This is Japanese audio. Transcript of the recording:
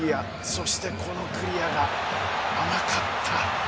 そして、このクリアが甘かった。